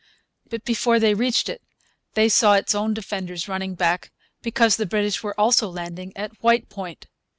But before they reached it they saw its own defenders running back, because the British were also landing at White Point.